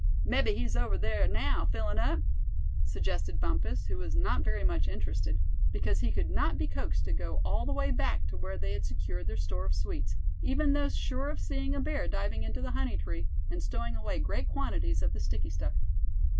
"Mebbe he's over there now, fillin' up?" suggested Bumpus, who was not very much interested, because he could not be coaxed to go all the way back to where they had secured their store of sweets, even though sure of seeing a bear diving into the honey tree, and stowing away great quantities of the sticky stuff.